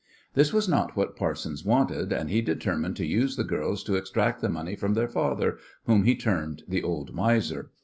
This was not what Parsons wanted, and he determined to use the girls to extract the money from their father, whom he termed "the old miser."